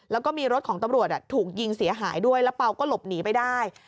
แล้วก็มีรถของตำรวจถูกยิงเสียหายด้วยแล้วเปล่าก็หลบหนีไปได้